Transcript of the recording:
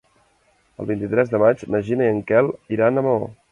El vint-i-tres de maig na Gina i en Quel iran a Maó.